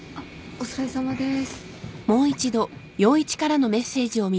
お疲れさまです。